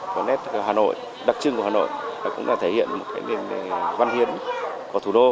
có nét hà nội đặc trưng của hà nội và cũng là thể hiện một nền văn hiến của thủ đô